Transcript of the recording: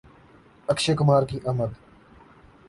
اکشے کمار کی آمد